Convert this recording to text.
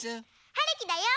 はるきだよ。